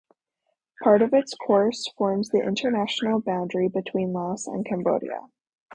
Part of its course forms the international boundary between Laos and Cambodia.